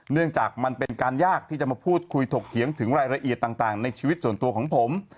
เนื่องจากมันเป็นการยากที่จะมาพูดคุยถกเถียงถึงรายละเอียดต่างในชีวิตส่วนตัวของผม